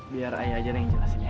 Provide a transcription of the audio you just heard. biar ayah aja yang jelasin ya